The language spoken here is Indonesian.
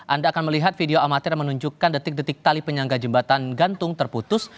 anda akan melihat video amatir yang menunjukkan detik detik tali penyangga jembatan gantung terputus